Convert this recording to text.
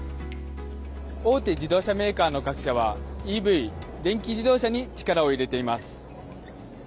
大手自動車メーカーの各社はＥＶ・電気自動車に力を入れています。